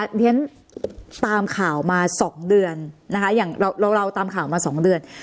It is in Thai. เรียนตามข่าวมา๒เดือนนะคะอย่างเราตามข่าวมา๒เดือน